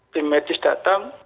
tim medis datang